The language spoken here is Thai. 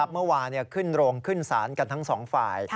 เมื่อวานขึ้นโรงขึ้นศาลกันทั้งสองฝ่าย